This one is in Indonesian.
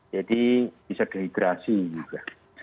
jadi bisa dihigrasi juga